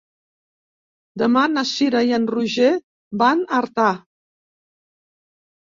Demà na Cira i en Roger van a Artà.